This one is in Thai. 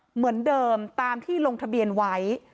เหมือนเดิมตามที่ลงทะเบียนไว้